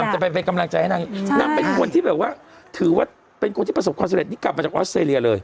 จะไปเป็นกำลังใจให้นางนางเป็นคนที่แบบว่าถือว่าเป็นคนที่ประสบความสำเร็จนี่กลับมาจากออสเตรเลียเลย